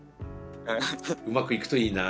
うまくいくといいな。